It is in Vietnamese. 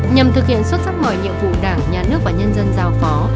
nhằm thực hiện xuất sắc mọi nhiệm vụ đảng nhà nước và nhân dân giao phó